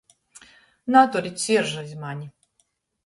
Naturit siržu iz mani!